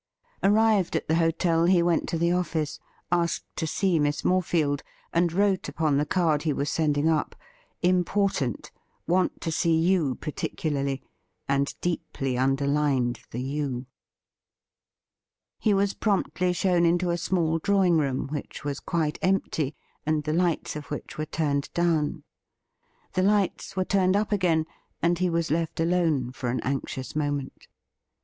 Arrived at the hotel, he went to the office, asked to see Miss Morefield, and wrote upon the card he was sending up :' Important — want to see you particularly,' and deeply underlined the 'you.' He was promptly shown into a small drawing room, which was quite empty, and the lights of which were turned down. The lights were turned up again, and he was left alone for an anxious moment.